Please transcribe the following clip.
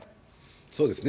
そうですね。